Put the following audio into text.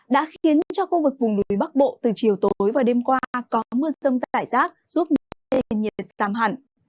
đã khiến cho khu vực vùng núi bắc bộ từ chiều tối và đêm qua có mưa rông rải rác giúp nền nhiệt giảm hẳn